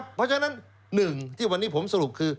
เพราะฉะนั้นหนึ่งที่วันนี้ผมสรุปคือ